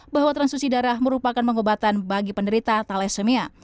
bahwa transfusi darah merupakan pengobatan bagi penderita thalassemia